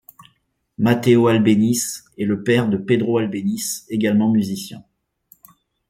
Mateo Albéniz est le père de Pedro Albéniz également musicien.